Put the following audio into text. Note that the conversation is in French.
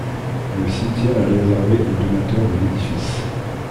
Le cimetière est réservé aux donateurs de l’édifice.